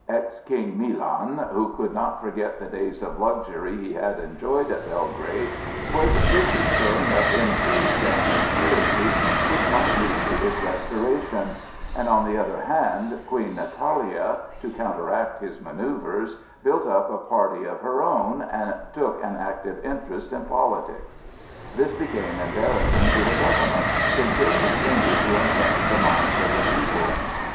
Ex King Milan, who could not forget the days of luxury he had enjoyed at Belgrade, was busy stirring up intrigues and conspiracies which might lead to his restoration; and on the other hand, Queen Natalia, to counteract his manœuvres, built up a party of her own, and took an active interest in politics. This became embarrassing to the government, since it continued to inflame the minds of the people.